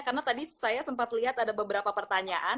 karena tadi saya sempat lihat ada beberapa pertanyaan